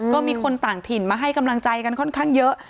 ก็มีคนต่างถิ่นมาให้กำลังใจกันค่อนข้างเยอะ